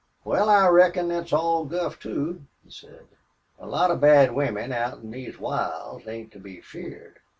"Wal, I reckon thet's all guff too," he said. "A lot of bad women out in these wilds ain't to be feared.